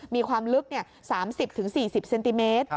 มีความลึก๓๐๔๐เซนติเมตร